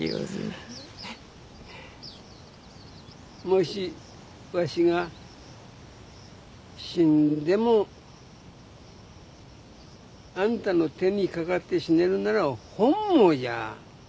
もしわしが死んでもあんたの手にかかって死ねるんなら本望じゃ。